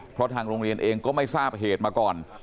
เพราะทางโรงเรียนเองก็ไม่ทราบเหตุมาก่อน